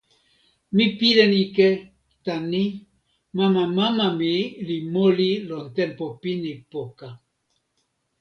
mi pilin ike tan ni: mama mama mi li moli lon tenpo pini poka.